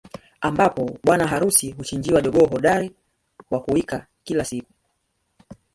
Ambapo bwana harusi huchinjiwa jogoo hodari wa kuwika kila siku